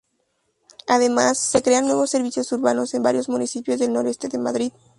Además, se crean nuevos servicios urbanos en varios municipios del noroeste de Madrid.